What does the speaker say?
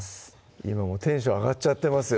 今テンション上がっちゃってますよ